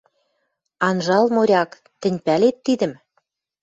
«Анжал, моряк. Тӹнь пӓлет тидӹм?..»